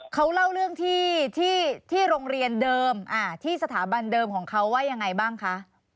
เขาเล่าเรื่องที่โรงเรียนเดิมที่สถาบันเดิมของเขาว่ายังไงบ้างคะ